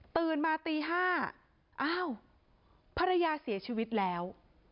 ตื่นมาตี๕อ้าวภรรยาเสียชีวิตแล้ว